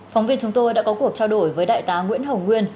phóng viên chúng tôi đã có cuộc trao đổi với đại tá nguyễn hồng nguyên